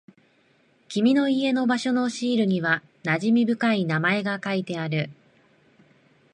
君の家の場所のシールには馴染み深い名前が書いてある。